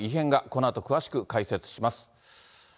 このあと詳しく解説します。